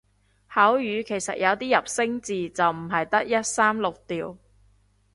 口語其實有啲入聲字都唔係得一三六調